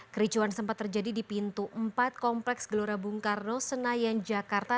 kericuan sempat terjadi di pintu empat kompleks gelora bung karno senayan jakarta